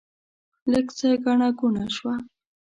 لږ څه ګڼه ګوڼه شوه.